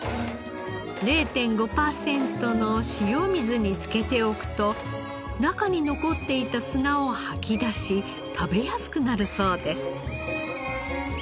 ０．５パーセントの塩水に漬けておくと中に残っていた砂を吐き出し食べやすくなるそうです。